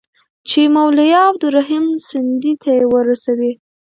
چي مولوي عبدالرحیم سندي ته یې ورسوي.